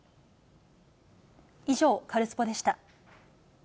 以上、カルスポっ！でした。